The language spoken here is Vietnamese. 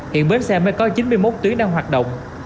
hiện bến xe mới có chín mươi một tuyến đang hoạt động